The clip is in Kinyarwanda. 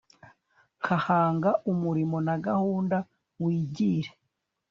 nka hanga umurimo nagahunda wigire